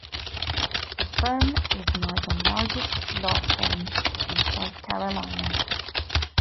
The firm is now the largest law firm in South Carolina.